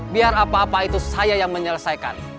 biar apa apa itu saya yang menyelesaikan